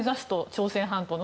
朝鮮半島の。